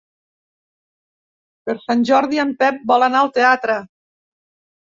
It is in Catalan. Per Sant Jordi en Pep vol anar al teatre.